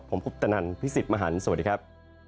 ผมพุทธนันทร์พี่สิทธิ์มหันต์สวัสดีครับ